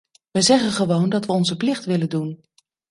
We zeggen gewoon dat we onze plicht willen doen.